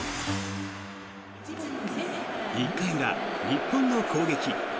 １回裏、日本の攻撃。